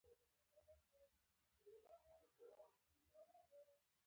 د چنار پاڼې پنجه یي شکل لري